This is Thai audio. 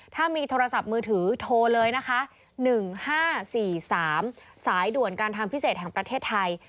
ถ้ามีโทรศัพท์มือถือโทรเลยนะคะ๑๕๔๓สายด่วนการทางพิเศษแห่งประเทศไทย